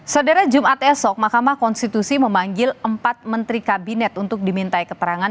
saudara jumat esok mahkamah konstitusi memanggil empat menteri kabinet untuk dimintai keterangan